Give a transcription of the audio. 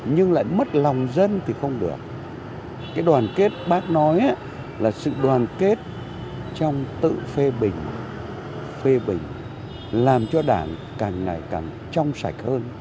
nhưng lại mất lòng dân thì không được cái đoàn kết bác nói là sự đoàn kết trong tự phê bình phê bình làm cho đảng càng ngày càng trong sạch hơn